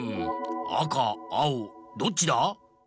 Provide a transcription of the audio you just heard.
あかあおどっちだ？